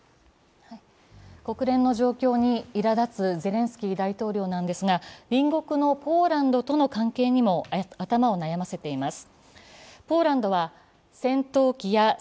国連の状況にいらだつゼレンスキー大統領なんですが、隣国のポーランドとの関係にも頭を悩ませています。